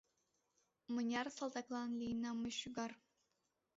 Мыняр салтаклан лийынам мый шӱгар.